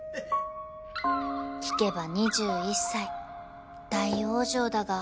［聞けば２１歳大往生だが］